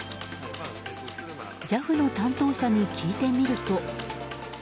ＪＡＦの担当者に聞いてみると。